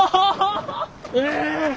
え！